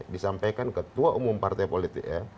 disampaikan ketua umum partai politik ya